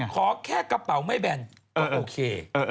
ขอแค่กระเป๋าไม่แบนก็โอเค